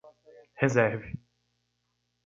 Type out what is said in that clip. Reserve.